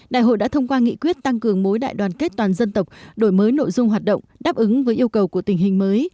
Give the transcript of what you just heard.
đại hội đã thông qua nghị quyết tăng cường mối đại đoàn kết toàn dân tộc đổi mới nội dung hoạt động đáp ứng với yêu cầu của tình hình mới